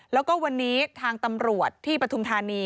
แล้วก็วันนี้ทางตำรวจที่ปฐุมธานี